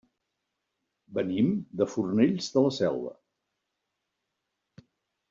Venim de Fornells de la Selva.